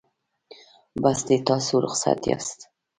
بس دی تاسو رخصت یاست.